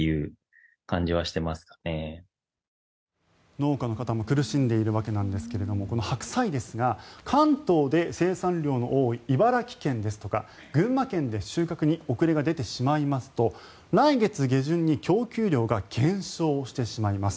農家の方も苦しんでいるわけなんですがこの白菜ですが関東で生産量の多い茨城県ですとか群馬県で収穫に遅れが出てしまいますと来月下旬に供給量が減少してしまいます。